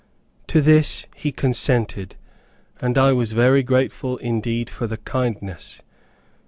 To this he consented, and I was very grateful indeed for the kindness.